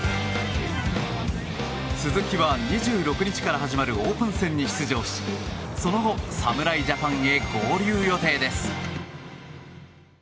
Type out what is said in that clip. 鈴木は２６日から始まるオープン戦に出場しその後侍ジャパンへ合流予定です。